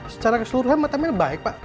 secara keseluruhan mata mil baik pak